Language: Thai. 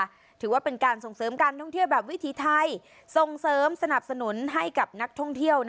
จนถึงเป็นการท่องเที่ยวใบวิธีไทยสนับสนุนให้กับนักท่องเที่ยว